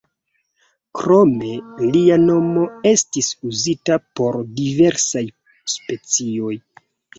Krome lia nomo estis uzita por diversaj specioj.